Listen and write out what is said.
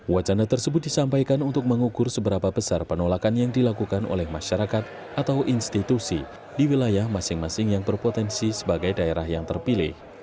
wacana tersebut disampaikan untuk mengukur seberapa besar penolakan yang dilakukan oleh masyarakat atau institusi di wilayah masing masing yang berpotensi sebagai daerah yang terpilih